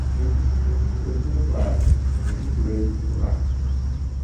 Ekisekeseke kyekwate okukutula ekfuba.